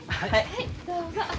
はいどうぞ。